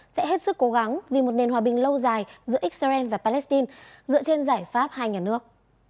sẽ hết sức cố gắng vì một nền hòa bình lâu dài giữa israel và palestine dựa trên giải pháp hai nhà nước